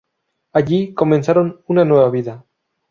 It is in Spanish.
Allí, comenzaron una nueva vida.